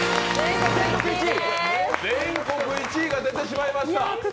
全国１位が出てしまいました。